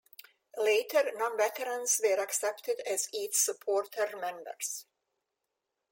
Later non-veterans were accepted as its supporter-members.